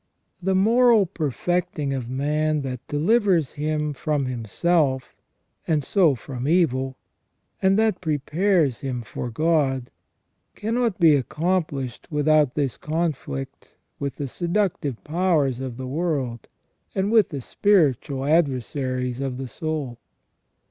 The moral perfecting of man that delivers him from himself, and so from evil, and that prepares him for God, cannot be accom plished without this conflict with the seductive powers of the world, and with the spiritual adversaries of the soul.